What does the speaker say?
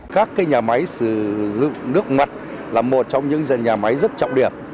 các nhà máy sử dụng nước mặt là một trong những nhà máy rất trọng điểm